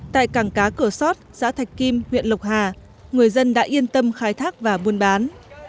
tại cảng cá cửa sót xã thạch kim huyện lộc hà người dân đã yên tâm khai thác và buôn bán